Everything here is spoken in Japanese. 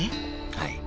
はい。